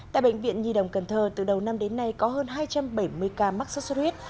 tại bệnh viện nhi đồng cần thơ từ đầu năm đến nay có hơn hai trăm bảy mươi ca mắc sốt xuất huyết